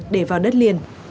để vào đất liền